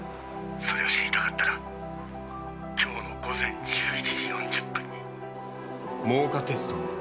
それを知りたかったら今日の午前１１時４０分に真岡鐵道